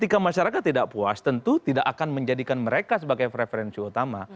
ketika masyarakat tidak puas tentu tidak akan menjadikan mereka sebagai preferensi utama